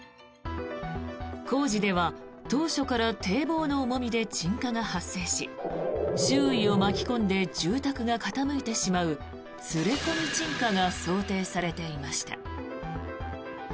工事では当初から堤防の重みで沈下が発生し周囲を巻き込んで住宅が傾いてしまう連れ込み沈下が想定されていました。